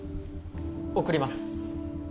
・送ります